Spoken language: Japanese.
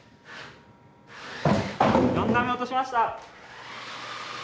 ４段目落としました。